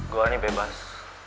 gue ini bebas